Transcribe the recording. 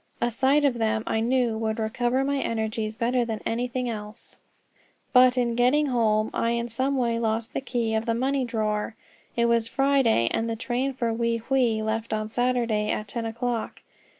A sight of them, I knew, would recover my energies better than anything else. But in getting home I in some way lost the key of the money drawer. It was Friday, and the train for Wei Hwei left on Saturday at ten o'clock.